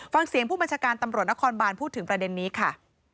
ฟังเสียงผู้บัญชาการตำรวจนครบานพูดถึงประเด็นนี้ค่ะ